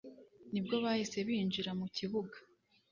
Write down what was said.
nibwo bahise binjira mu kibuga